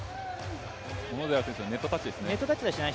小野寺選手のネットタッチですね。